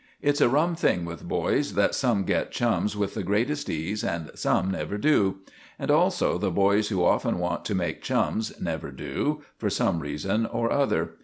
It's a rum thing with boys, that some get chums with the greatest ease and some never do. And also the boys who often want to make chums never do, for some reason or other.